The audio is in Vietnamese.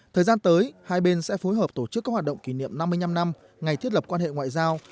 thời gian tới hai bên sẽ phối hợp tổ chức các hoạt động kỷ niệm năm mươi năm năm ngày thiết lập quan hệ ngoại giao